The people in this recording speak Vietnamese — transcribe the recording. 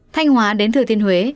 thanh hóa đến thừa thiên huế